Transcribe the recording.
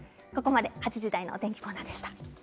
８時台のお天気コーナーでした。